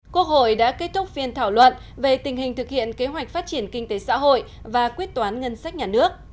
quốc hội đã kết thúc phiên thảo luận về tình hình thực hiện kế hoạch phát triển kinh tế xã hội và quyết toán ngân sách nhà nước